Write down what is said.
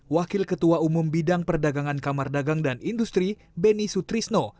wakil ketua umum bidang perdagangan kamar dagang dan industri benny sutrisno